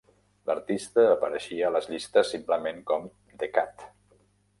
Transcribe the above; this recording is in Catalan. L"artista apareixia a les llistes simplement com "The Cat".